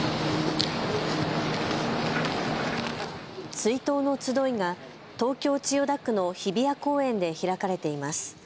追悼のつどいが東京千代田区の日比谷公園で開かれています。